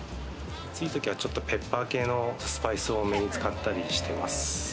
暑いときはペッパー系のスパイスを多めに使ったりしてます。